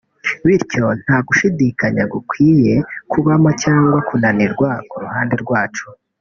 bityo nta gushidikanya gukwiye kubamo cyangwa kunanirwa ku ruhande rwacu